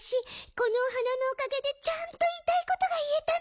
このお花のおかげでちゃんといいたいことがいえたの。